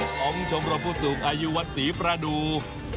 ของชมรบภูตสุขอายุวัดศรีประดูก